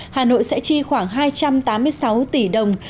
hà nội sẽ chi khoảng hai trăm tám mươi sáu tỷ đồng